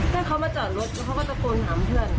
ถ้าเขามาจอดรถแล้วเขาก็ตะโกนถามเพื่อน